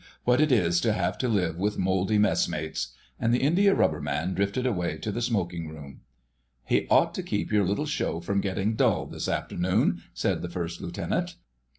What it is to have to live with mouldy messmates, ..." and the Indiarubber Man drifted away to the smoking room. "He ought to keep your little show from getting dull this afternoon," said the First Lieutenant.